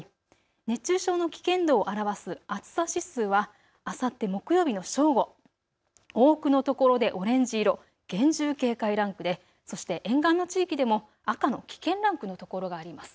熱中症の危険度を表す暑さ指数はあさって木曜日の正午、多くの所でオレンジ色、厳重警戒ランクでそして沿岸の地域でも赤の危険ランクの所があります。